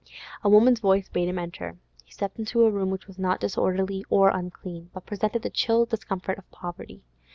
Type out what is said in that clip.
A woman's voice bade him enter. He stepped into a room which was not disorderly or unclean, but presented the chill discomfort of poverty.